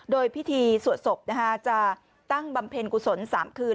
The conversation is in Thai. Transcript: โดยพิธีสวดศพจะตั้งบำเพ็ญกุศล๓คืน